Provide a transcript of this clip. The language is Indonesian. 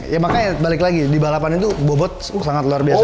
ya makanya balik lagi di balapan itu bobot sangat luar biasa